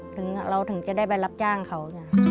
เราถึงจะได้ไปรับจ้างเขา